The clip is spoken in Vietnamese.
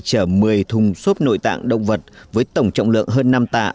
chở một mươi thùng xốp nội tạng động vật với tổng trọng lượng hơn năm tạ